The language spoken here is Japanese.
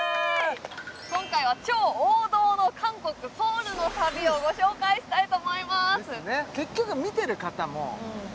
今回は超王道の韓国ソウルの旅をご紹介したいと思いますですね